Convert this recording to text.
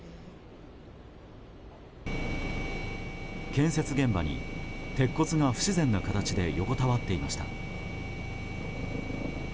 建設現場に鉄骨が不自然な形で横たわっていました。